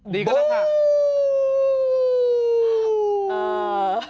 ดีก็แล้วค่ะ